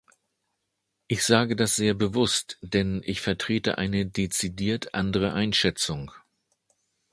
Ich sage das sehr bewusst, denn ich vertrete eine dezidiert andere Einschätzung.